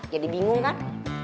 jadi bingung kan